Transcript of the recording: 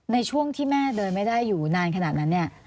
ในช่วงที่แม่เดินไม่ได้อยู่นานขนาดนั้นเนี่ย